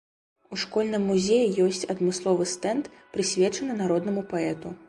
У школьным музеі ёсць адмысловы стэнд, прысвечаны народнаму паэту.